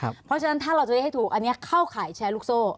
เพราะฉะนั้นถ้าเราจะได้ให้ถูกอันนี้เข้าข่ายแชร์ลูกโซ่